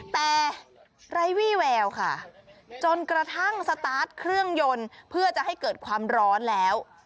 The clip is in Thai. แต่ไร้วี่แววค่ะจนกระทั่งสตาร์ทเครื่องยนต์เพื่อจะให้เกิดความร้อนแล้ว